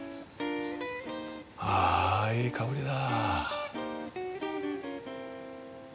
あいい香りだ。